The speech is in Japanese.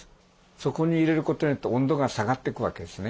そこに入れることによって温度が下がっていくわけですね。